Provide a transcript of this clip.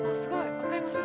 分かりました。